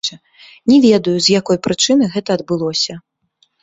Не ведаю, з якой прычыны гэта адбылося.